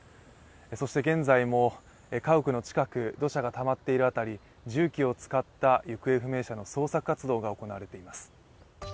そして現在も家屋の近く土砂がたまっている辺り重機を使った行方不明者の捜索活動が行われています。